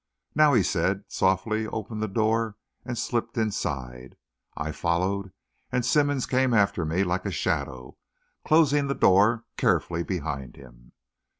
"Now!" he said, softly opened the door and slipped inside. I followed, and Simmonds came after me like a shadow, closing the door carefully behind him.